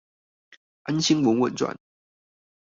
安心穩穩賺